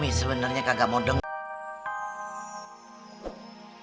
umi sebenernya kagak mau denger